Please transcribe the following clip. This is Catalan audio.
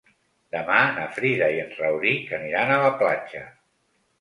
Demà na Frida i en Rauric aniran a la platja.